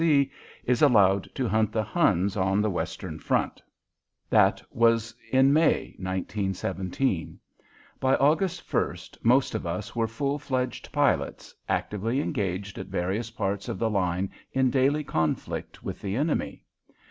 F. C. is allowed to hunt the Huns on the western front. That was in May, 1917. By August 1st most of us were full fledged pilots, actively engaged at various parts of the line in daily conflict with the enemy.